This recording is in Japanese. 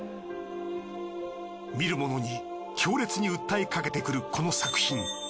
見る者に強烈に訴えかけてくるこの作品。